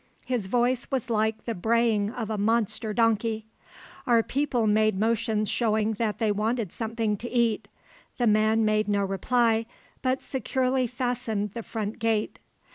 His voice was like the braying of a monster donkey. Our people made motions showing that they wanted something to eat. The man made no reply, but securely fastened the front gate.